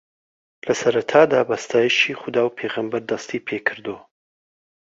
لەسەرەتادا بە ستایشی خودا و پێغەمبەر دەستی پێکردووە